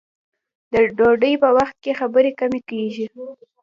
د ډوډۍ په وخت کې خبرې کمې کیږي.